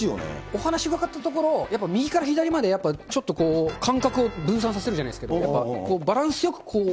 お話伺ったところ、右から左までちょっと間隔を分散させるじゃないですけど、バランスよく、こう。